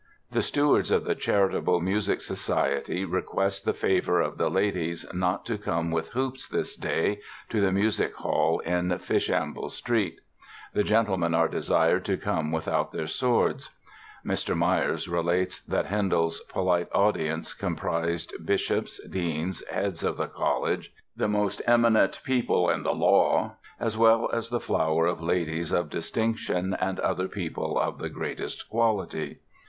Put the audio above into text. The Stewards of the Charitable Musical Society request the favor of the ladies not to come with hoops this day to the Musick Hall in Fishamble Street. The Gentlemen are desired to come without their swords." Mr. Myers relates that "Handel's 'polite' audience comprised 'Bishops, Deans, Heads of the Colledge, the most eminent People in the Law, as well as the Flower of Ladyes of Distinction and other People of the greatest quality.